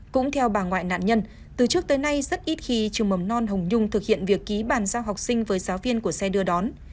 cũng theo bà ngoại nạn nhân từ trước tới nay rất ít khi trường mầm non hồng nhung thực hiện việc ký bàn giao học sinh với giáo viên của xe đưa đón